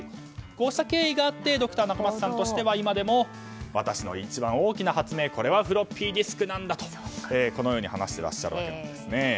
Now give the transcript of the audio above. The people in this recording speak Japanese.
こうした経緯があってドクター中松さんとしては今でも、私の一番大きな発明はフロッピーディスクなんだとこのように話していらっしゃるんですね。